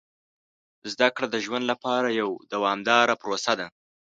زده کړه د ژوند لپاره یوه دوامداره پروسه ده.